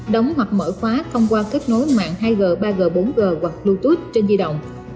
đóng hoặc mở khóa thông qua kết nối mạng hai g ba g bốn g hoặc bluetooth trên di động